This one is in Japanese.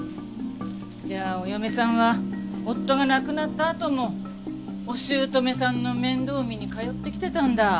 じゃあお嫁さんは夫が亡くなったあともお姑さんの面倒を見に通ってきてたんだ。